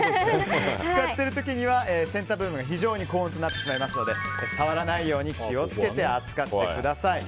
使っている時には先端部分が非常に高温となってしまいますので触らないように気を付けて扱ってください。